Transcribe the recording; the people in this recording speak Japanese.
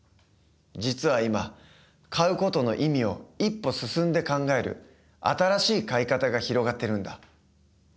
実は今買う事の意味を一歩進んで考える新しい買い方が広がってるんだ。